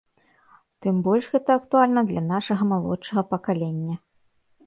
Тым больш гэта актуальна для нашага малодшага пакалення.